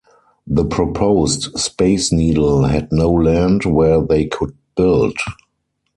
The proposed Space Needle had no land where they could build.